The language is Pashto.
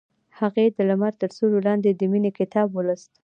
هغې د لمر تر سیوري لاندې د مینې کتاب ولوست.